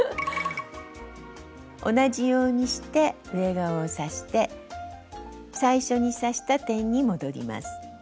同じようにして上側を刺して最初に刺した点に戻ります。